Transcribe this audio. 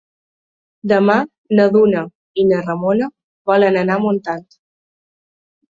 Demà na Duna i na Ramona volen anar a Montant.